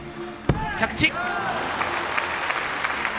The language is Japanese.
着地！